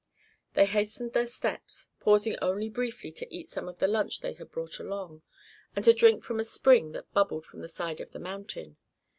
They hastened their steps, pausing only briefly to eat some of the lunch they had brought along, and to drink from a spring that bubbled from the side of the mountain.